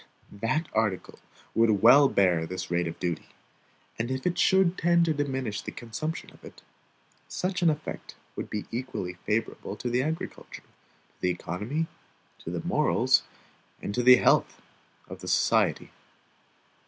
That article would well bear this rate of duty; and if it should tend to diminish the consumption of it, such an effect would be equally favorable to the agriculture, to the economy, to the morals, and to the health of the society.